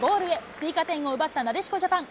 追加点を奪ったなでしこジャパン。